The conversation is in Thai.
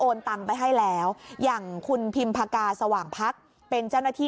ตังไปให้แล้วอย่างคุณพิมพากาสว่างพักเป็นเจ้าหน้าที่